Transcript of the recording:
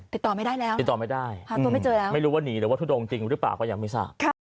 ติดต่อไม่ได้แล้วติดต่อไม่ได้หาตัวไม่เจอแล้วไม่รู้ว่าหนีหรือว่าทุดงจริงหรือเปล่าก็ยังไม่ทราบ